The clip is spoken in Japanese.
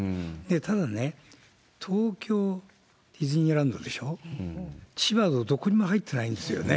ただね、東京ディズニーランドでしょう、千葉のどこにも入ってないんですよね。